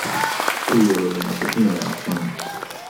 Kui oluline see sinu jaoks on?